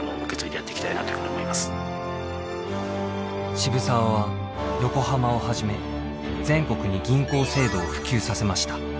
渋沢は横浜をはじめ全国に銀行制度を普及させました。